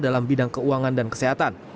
dalam bidang keuangan dan kesehatan